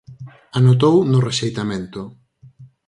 Anotou no rexeitamento.